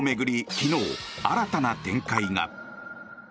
昨日、新たな展開が。